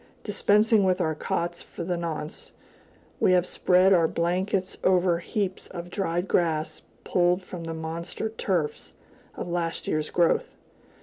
Dispensing with our cots for the nonce, we have spread our blankets over heaps of dried grass pulled from the monster tufts of last year's growth.